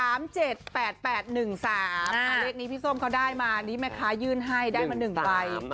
อันนี้พี่ส้มเขาได้มานี่แม่ค้ายื่นให้ได้มา๑ใบ